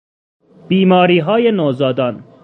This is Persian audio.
بیماریهای نوزادان